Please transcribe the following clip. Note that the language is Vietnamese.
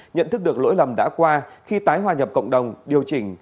nhận thức được lỗi lầm đã qua khi tái hòa nhập cộng đồng điều chỉnh